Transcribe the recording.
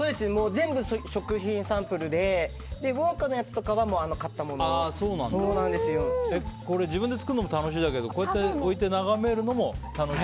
全部食品サンプルでウォンカのやつは自分で作るのも楽しいけどこうやって置いて眺めるのも楽しい？